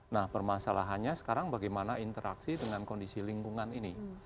nah permasalahannya sekarang bagaimana interaksi dengan kondisi lingkungan ini